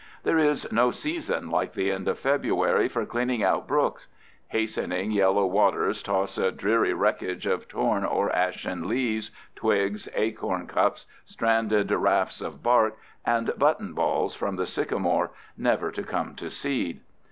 There is no season like the end of February for cleaning out brooks. Hastening yellow waters toss a dreary wreckage of torn or ashen leaves, twigs, acorn cups, stranded rafts of bark, and buttonballs from the sycamore, never to come to seed.